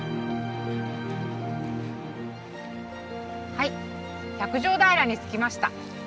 はい百畳平に着きました。